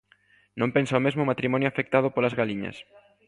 Non pensa o mesmo o matrimonio afectado polas galiñas.